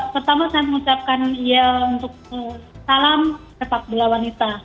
pertama saya mengucapkan iya untuk salam sepak bola wanita